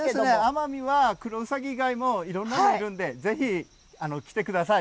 奄美はクロウサギ以外にもいろいろいるのでぜひ来てください！